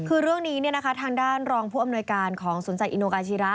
คือเรื่องนี้เนี่ยนะคะทางด้านรองผู้อำนวยการของสวนสัตว์อิโนกาชิระ